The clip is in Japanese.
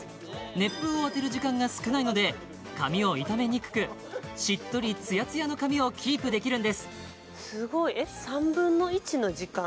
熱風を当てる時間が少ないので髪を傷めにくくしっとりツヤツヤの髪をキープできるんですすごいえっ３分の１の時間？